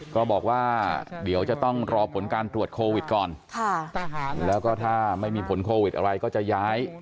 ก็บอกว่าเดี๋ยวจะต้องรอผลการตรวจโควิดก่อนแล้วก็ถ้าไม่มีผลโควิดอะไรก็จะย้าย